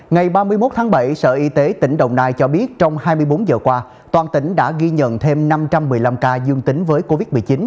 ngày ba mươi một tháng bảy sở y tế tỉnh đồng nai cho biết trong hai mươi bốn giờ qua toàn tỉnh đã ghi nhận thêm năm trăm một mươi năm ca dương tính với covid một mươi chín